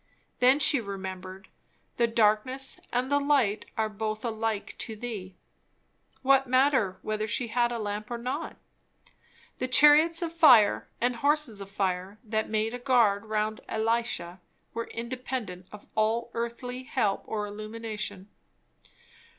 Then she remembered "The darkness and the light are both alike to Thee." What matter, whether she had a lamp or not? The chariots of fire and horses of fire that made a guard round Elisha, were independent of all earthly help or illumination.